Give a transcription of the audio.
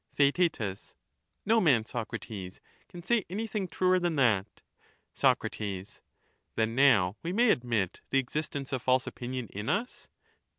Theaet, No man, Socrates, can say anything truer than that. Sac, Then now we may admit the existence of false opinion in us